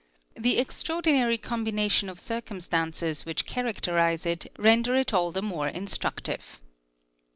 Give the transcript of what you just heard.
The extraordinary combination of cir cumstances which characterise it, render it all the more instructive.